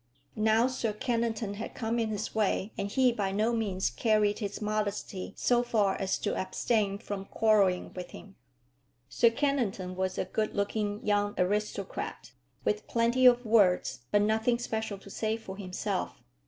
Now Sir Kennington had come in his way, and he by no means carried his modesty so far as to abstain from quarrelling with him. Sir Kennington was a good looking young aristocrat, with plenty of words, but nothing special to say for himself.